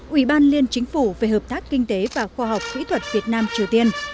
ủy ban liên chính phủ về hợp tác kinh tế và khoa học kỹ thuật việt nam triều tiên